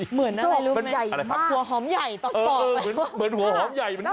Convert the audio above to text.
เหมือนท้องหัวหอมใหญ่เหมือนหัวหอมใหญ่เหมือนกัน